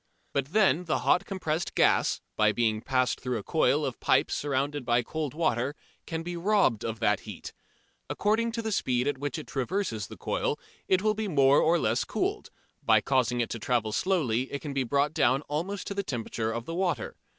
But then the hot compressed gas, by being passed through a coil of pipe surrounded by cold water, can be robbed of that heat. According to the speed at which it traverses the coil it will be more or less cooled: by causing it to travel slowly it can be brought down almost to the temperature of the water.